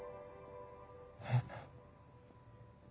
えっ？